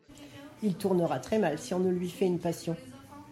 Il tournera très mal, si on ne lui fait une passion.